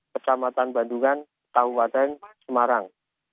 kecamatan bandungan tahun wateng semarang